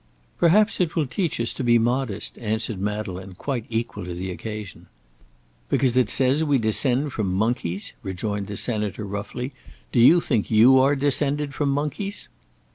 "Perhaps it will teach us to be modest," answered Madeleine, quite equal to the occasion. "Because it says we descend from monkeys?" rejoined the Senator, roughly. "Do you think you are descended from monkeys?"